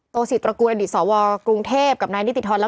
โตศิษย์ตระกูลอดิษฐ์สวกรุงเทพกับนายนิติธรรม